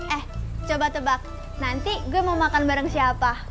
eh coba tebak nanti gue mau makan bareng siapa